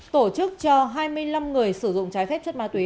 tổ chức cho hai mươi năm người sử dụng trái phép chất ma túy